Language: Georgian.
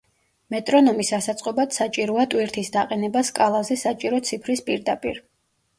მეტრონომის ასაწყობად საჭიროა ტვირთის დაყენება სკალაზე საჭირო ციფრის პირდაპირ.